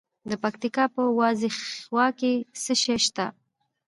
د پکتیکا په وازیخوا کې څه شی شته؟